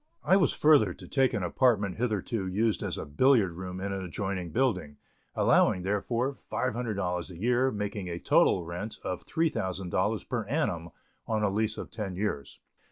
I was further to take an apartment hitherto used as a billiard room in an adjoining building, allowing therefor, $500 a year, making a total rent of $3,000 per annum, on a lease of ten years.